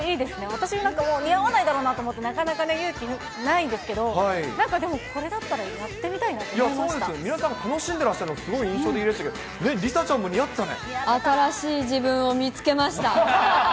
私なんか、似合わないだろうなと思って、なかなか勇気ないんですけど、なんかでも、これだったら、そうですよね、皆さん楽しんでらっしゃるのすごい印象的でしたけど、梨紗ちゃん新しい自分を見つけました。